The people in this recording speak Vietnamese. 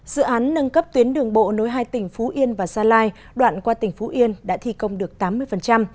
dự án nâng cấp tuyến đường bộ nối hai tỉnh phú yên và gia lai đoạn qua tỉnh phú yên đã thi công được tám mươi